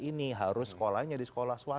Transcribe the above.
ini harus sekolahnya di sekolah swasta